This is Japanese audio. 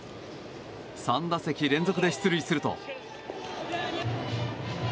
３打席連続で出塁すると。